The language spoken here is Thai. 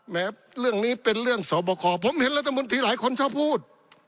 แม้เรื่องนี้เป็นเรื่องสอบคอผมเห็นรัฐมนตรีหลายคนชอบพูด